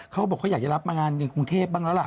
เขาบอกเขาอยากจะรับมางานในกรุงเทพบ้างแล้วล่ะ